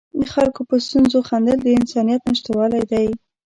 د خلکو په ستونزو خندل د انسانیت نشتوالی دی.